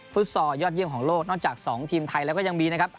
ซอลยอดเยี่ยมของโลกนอกจาก๒ทีมไทยแล้วก็ยังมีนะครับ